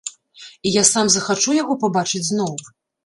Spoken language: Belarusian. І я сам захачу яго пабачыць зноў?